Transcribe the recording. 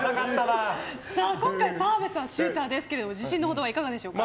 今回、澤部さんシューターですけれども自信のほどはいかがでしょうか？